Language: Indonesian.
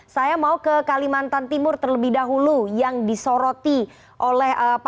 saya mau ke kalimantan timur terlebih dahulu yang disoroti oleh